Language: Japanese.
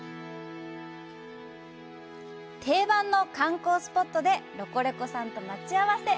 定番の観光スポットでロコレコさんと待ち合わせ！